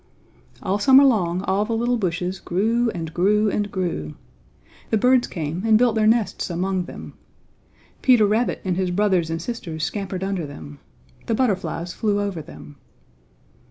All summer long all the little bushes grew and grew and grew. The birds came and built their nests among them. Peter Rabbit and his brothers and sisters scampered under them. The butterflies flew over them.